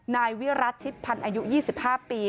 นายวิรัติชิดพันธ์อายุ๒๕ปี